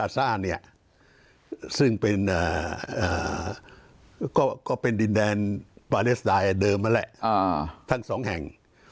ซึ่งเป็นดินแดนปาเลสไตล์เดิมนั่นแหละทั้งสองแห่ง